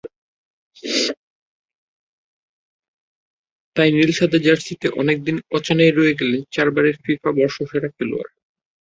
তাই নীল-সাদা জার্সিতে অনেকদিন অচেনাই রয়ে গেলেন চারবারের ফিফা বর্ষসেরা খেলোয়াড়।